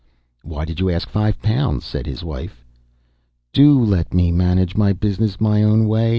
"Why did you ask five pounds?" said his wife. "Do let me manage my business my own way!"